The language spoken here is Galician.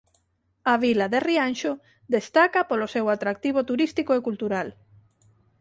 A vila de Rianxo destaca polo seu atractivo turístico e cultural.